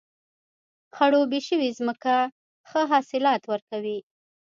خړوبې شوې ځمکه ښه حاصلات ورکوي.